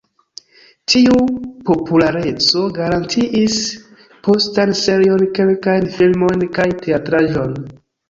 Tiu populareco garantiis postan serion, kelkajn filmojn, kaj teatraĵon.